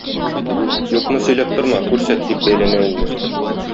Юкны сөйләп торма, күрсәт, - дип бәйләнә инде.